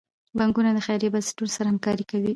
بانکونه د خیریه بنسټونو سره همکاري کوي.